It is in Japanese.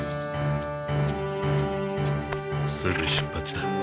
すぐ出発だ。